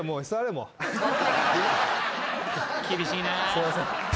すいません。